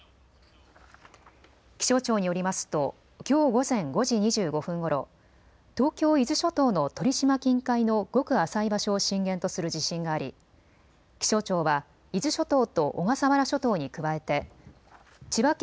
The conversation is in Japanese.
気象庁によりますときょう午前５時２５分ごろ、東京伊豆諸島の鳥島近海のごく浅い場所を震源とする地震があり、気象庁は伊豆諸島と小笠原諸島に加えて千葉県